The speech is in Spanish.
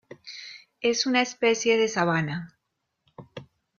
Es una especie de sabana.